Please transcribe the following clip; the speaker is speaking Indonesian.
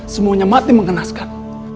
semuanya mati mengenaskan